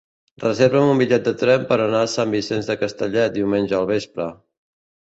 Reserva'm un bitllet de tren per anar a Sant Vicenç de Castellet diumenge al vespre.